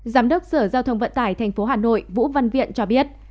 giám đốc sở giao thông vận tải tp hà nội vũ văn viện cho biết